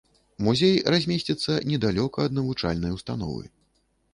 Музей размесціцца недалёка ад навучальнай установы.